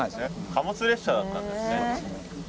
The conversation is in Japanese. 貨物列車だったんですね。